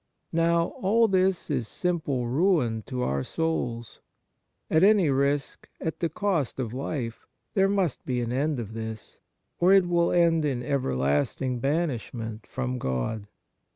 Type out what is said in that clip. Now, all this is simple ruin to our souls. At any risk, at the cost of life, there nmst be an end of this, or it will end in everlasting banishment from God.